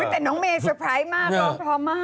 แต่น้องเมย์สุดสนใจมากพอมาก